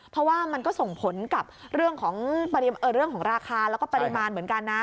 เพราะว่ามันก็ส่งผลกับเรื่องของราคาแล้วก็ปริมาณเหมือนกันนะ